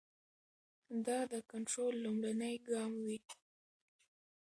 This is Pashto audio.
دا د کنټرول لومړنی ګام وي.